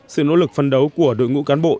sự nỗ lực phân đấu của đội ngũ cán bộ